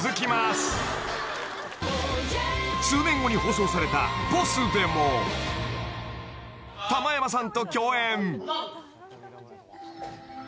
［数年後に放送された『ＢＯＳＳ』でも玉山さんと共演］